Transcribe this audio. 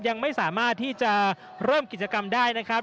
ยังไม่สามารถที่จะเริ่มกิจกรรมได้นะครับ